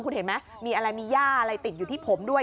คุณเห็นไหมมีอะไรมีย่าอะไรติดอยู่ที่ผมด้วย